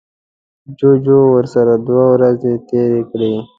جوجو ورسره دوه ورځې تیرې کړې.